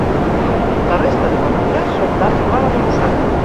La resta d'obertures són d'arc pla arrebossat.